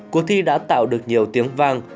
cuộc thi đã tạo được nhiều tiếng vang